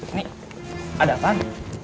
ini ada apaan